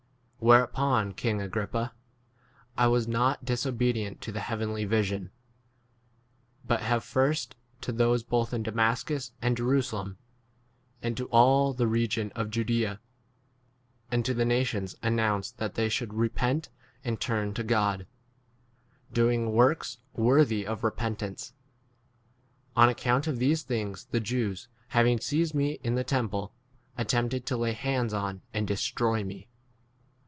19 Whereupon, king Agrippa, I was not disobedient to the heavenly 20 vision ; but have, first to those both in Damascus and Jerusalem, and to all the region of Judaea, and to the nations, announced that they should repent and turn to God, doing works worthy of repentance. 21 On account of these things the Jews, having seized me in the temple, attempted to lay hands 22 on and destroy me.